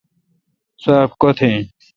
سواب کوتھ این۔